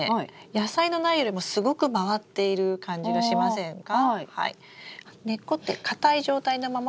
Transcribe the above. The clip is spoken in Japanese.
野菜の苗よりもすごく回っている感じがしませんか？